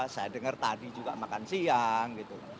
saya dengar tadi juga makan siang gitu